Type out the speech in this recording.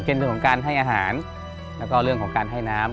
เป็นเรื่องของการให้อาหารแล้วก็เรื่องของการให้น้ำ